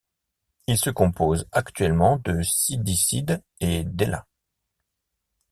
Il se compose actuellement de Sidisid et Dela.